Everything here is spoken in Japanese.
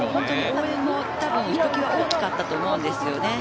応援もひときわ大きかったと思います。